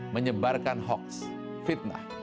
menyebarkan hoax fitnah